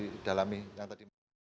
lagi dalami yang tadi